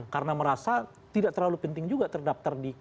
karena merasa tidak terlalu penting juga terdaftar di pemerintahan